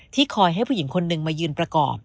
คอยให้ผู้หญิงคนหนึ่งมายืนประกอบ